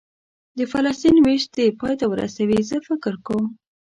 د فلسطین وېش دې پای ته ورسوي، زه فکر کوم.